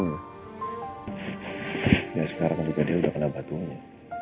ya sekarang juga dia udah kena batunya